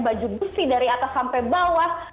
baju besi dari atas sampai bawah